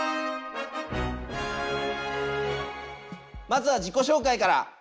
まずは自己紹介から。